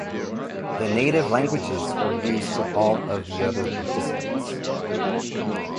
The native languages were used for all of the other participants.